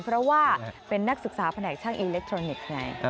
เพราะว่าเป็นนักศึกษาแผนกช่างอิเล็กทรอนิกส์ไง